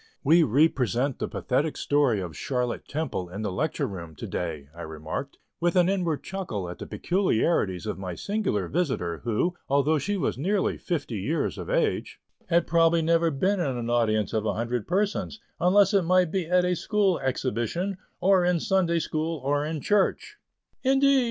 "We represent the pathetic story of 'Charlotte Temple' in the Lecture Room to day," I remarked, with an inward chuckle at the peculiarities of my singular visitor, who, although she was nearly fifty years of age, had probably never been in an audience of a hundred persons, unless it might be at a school exhibition, or in Sunday school, or in church. "Indeed!